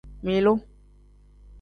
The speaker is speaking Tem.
Milu.